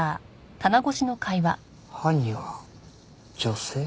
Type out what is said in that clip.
犯人は女性？